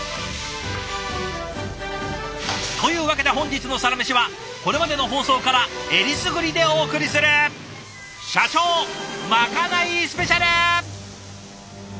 というわけで本日の「サラメシ」はこれまでの放送からえりすぐりでお送りする「社長まかないスペシャル」！